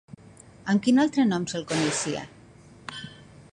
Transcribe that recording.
Amb quin altre nom se'l coneixia?